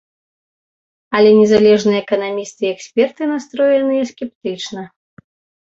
Але незалежныя эканамісты і эксперты настроеныя скептычна.